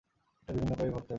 এটি বিভিন্ন উপায়ে ঘটতে পারে।